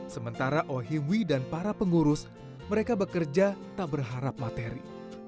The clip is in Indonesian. sementara ohimwi dan para pengurus mereka bekerja tak berharap materi